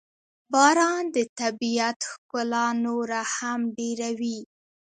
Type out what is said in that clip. • باران د طبیعت ښکلا نوره هم ډېروي.